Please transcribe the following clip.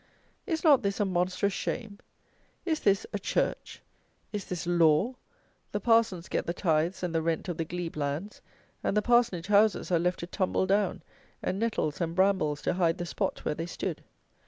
Is not this a monstrous shame? Is this "a church"? Is this "law"? The parsons get the tithes and the rent of the glebe lands, and the parsonage houses are left to tumble down, and nettles and brambles to hide the spot where they stood.